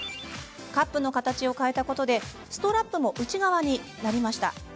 カップの形を変えたことでストラップも内側になりました。